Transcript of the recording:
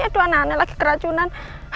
itu anak anak lagi keracunan